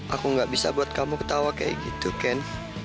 aku gak bisa buat kamu ketawa kayak gitu kan